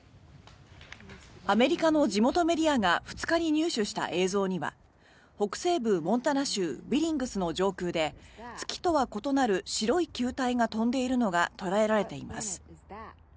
アメリカの地元メディアが２日に入手した映像には北西部モンタナ州ビリングスの上空で月とは異なる白い球体が飛んでいるのが捉えられています。